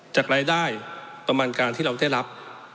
จากรายได้ประมาณการที่เราได้รับ